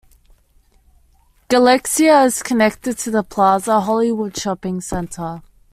Galaxia is connected to the Plaza Hollywood shopping centre.